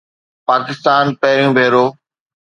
پاڪستان پهريون ڀيرو